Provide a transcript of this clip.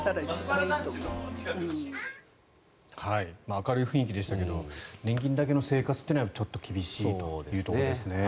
明るい雰囲気でしたけど年金だけの生活というのはちょっと厳しいというところですね。